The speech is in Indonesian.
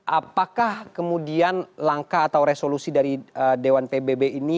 apakah kemudian langkah atau resolusi dari dewan pbb ini